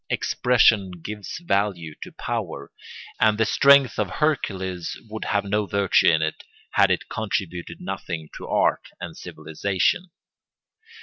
Expression gives value to power, and the strength of Hercules would have no virtue in it had it contributed nothing to art and civilisation.